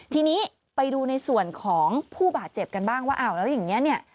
ทีนี้ไปดูในส่วนของผู้บาดเจ็บกันบ้างว่าอ้าวแล้วอย่างนี้เนี่ย